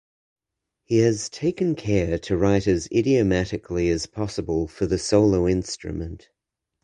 He has taken care to write as idiomatically as possible for the solo instrument.